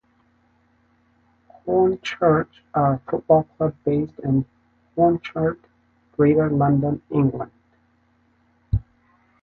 Hornchurch are a football club based in Hornchurch, Greater London, England.